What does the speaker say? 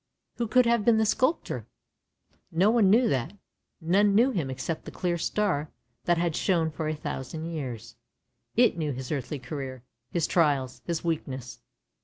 Who could have been the sculptor? No one knew that — none knew him except the clear star that had shone for a thousand years; it knew his earthly career, his trials, his weak ness.